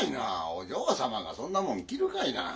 お嬢様がそんなもん着るかいな。